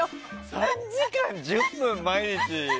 ３時間１０分毎日。